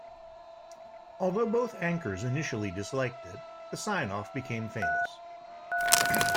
Although both anchors initially disliked it, the sign-off became famous.